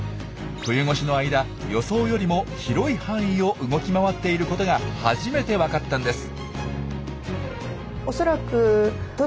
冬越しの間予想よりも広い範囲を動き回っていることが初めて分かったんです。